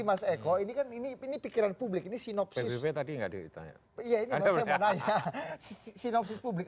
mas eko ini kan ini ini pikiran publik ini sinopsis tadi enggak ditanya sinopsis publik